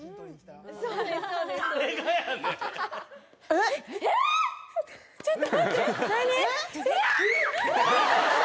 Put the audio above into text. えっ！？